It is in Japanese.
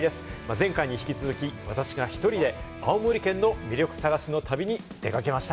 前回に引き続き、私が１人で青森県の魅力探しの旅に出かけました。